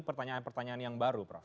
pertanyaan pertanyaan yang baru prof